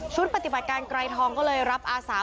ปฏิบัติการไกรทองก็เลยรับอาสา